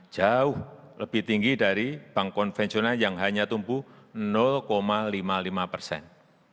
jauh lebih tinggi dari bank konvensional yang hanya tumbuh lima puluh lima persen